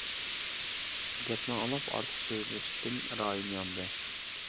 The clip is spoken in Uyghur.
بۇ گەپنى ئاڭلاپ ئارتۇق سۆزلەشتىن رايىم ياندى.